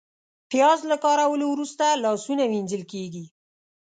پیاز له کارولو وروسته لاسونه وینځل کېږي